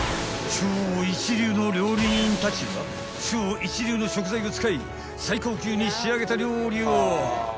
［超一流の料理人たちが超一流の食材を使い最高級に仕上げた料理を］